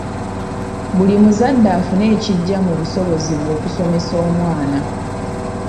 Buli muzadde afune ekigya mu busobozi bwe okusomesa omwana.